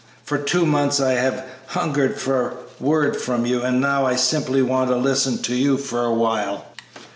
For two months I have hungered for word from you, and now I simply want to listen to you a while."